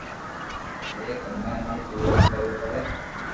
پييا ڪمايا ھارو جدوجد ڪروي پڙي